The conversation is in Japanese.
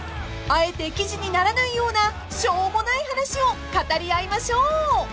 ［あえて記事にならないようなしょうもない話を語り合いましょう］